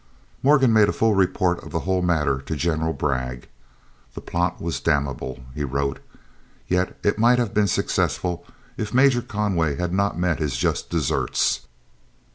Morgan made a full report of the whole matter to General Bragg. "The plot was damnable," he wrote, "yet it might have been successful if Major Conway had not met his just deserts.